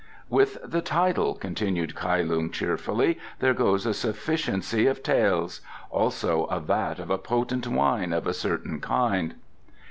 "With the title," continued Kai Lung cheerfully, "there goes a sufficiency of taels; also a vat of a potent wine of a certain kind."